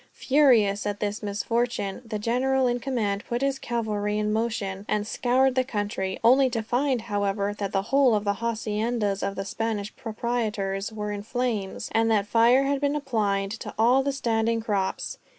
Furious at this misfortune, the general in command put his cavalry in motion, and scoured the country; only to find, however, that the whole of the haciendas of the Spanish proprietors were in flames, and that fire had been applied to all the standing crops.